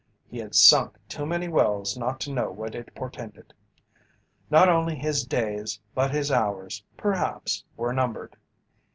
He had sunk too many wells not to know what it portended. Not only his days but his hours perhaps were numbered.